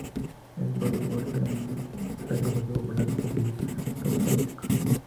El voleibol femenino es bastante popular y seguido por sus fanáticos.